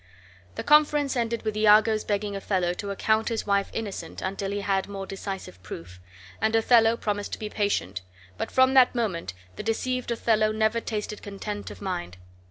The conference ended with Iago's begging Othello to account his wife innocent until he had more decisive proof; and Othello promised to be patient; but from that moment the deceived Othello never tasted content of mind.